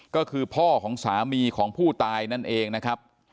ก็คือพ่อของสามีของผู้ตายนั่นเองนะครับ